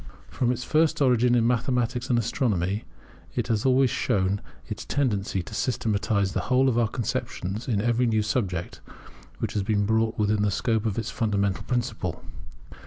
From its first origin in mathematics and astronomy, it has always shown its tendency to systematize the whole of our conceptions in every new subject which has been brought within the scope of its fundamental principle.